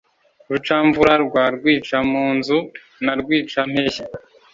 rucamvura rwa rwica-mu-nzu na rwica-mpembyi,